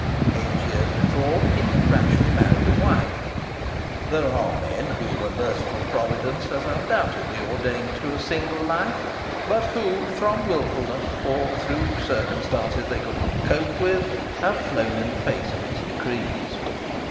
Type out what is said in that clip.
Eight years before he had rashly married a wife. There are men whom a merciful Providence has undoubtedly ordained to a single life, but who from wilfulness or through circumstances they could not cope with have flown in the face of its decrees.